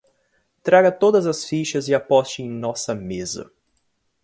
Traga todas as fichas e aposte em nossa mesa